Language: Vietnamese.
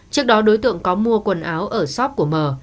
trước đó đối tượng có mua quần áo ở shop của mờ